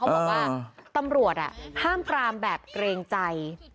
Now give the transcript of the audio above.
บอกว่าตำรวจห้ามปรามแบบเกรงใจ